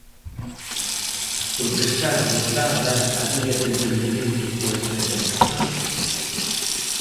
Por que está "esgotada" a vía de entendemento coa esquerda estatal?